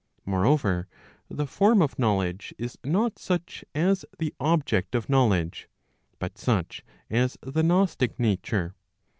Moreover, the form of knowledge is not such as the object of knowledge, but such as the gnostic nature.